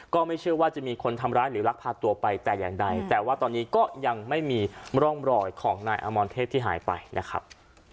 ก็ไม่เชื่อว่าจะมีคนทำร้ายหรือลักพาตัวไปแต่อย่างใดแต่ว่าตอนนี้ก็ยังไม่มีร่องรอยของนายอมรเทพที่หายไปนะครับ